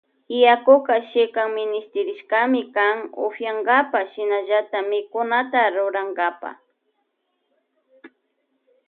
Yakuka shikan minishtirishkami kan upiyankapa shinallata mikunata rurankapa.